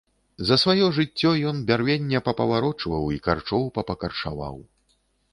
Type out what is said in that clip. За сваё жыццё ён бярвення папаварочваў і карчоў папакарчаваў.